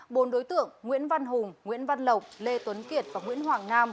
bốn đối tượng nguyễn văn hùng nguyễn văn lộc lê tuấn kiệt và nguyễn hoàng nam